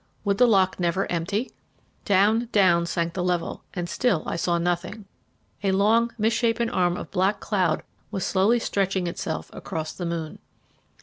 Would the lock never empty? Down, down sank the level, and still I saw nothing. A long, misshapen arm of black cloud was slowly stretching itself across the moon.